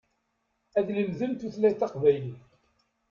Ad lemden tutlayt taqbaylit.